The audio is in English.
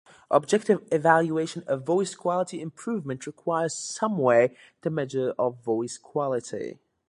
Objective evaluation of voice quality improvement requires some way to measure of voice quality.